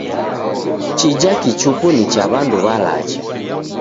Chija kichuku ni cha w'andu w'alacha.